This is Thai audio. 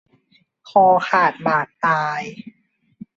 คอขาดบาดตาย